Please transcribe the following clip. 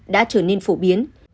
đã trở nên phổ biến